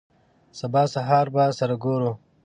سبا سهار به سره ګورو.